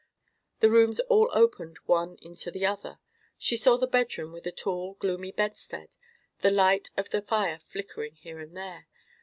The rooms all opened one into the other. She saw the bedroom with the tall, gloomy bedstead, the light of the fire flickering here and there.